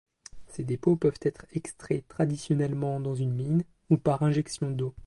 Ces dépôts peuvent être extraits traditionnellement dans une mine ou par injection d'eau.